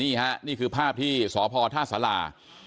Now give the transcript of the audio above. นี่ค่ะนี่คือภาพที่สภทศลา